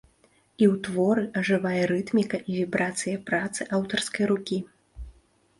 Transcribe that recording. І ў творы ажывае рытміка і вібрацыя працы аўтарскай рукі.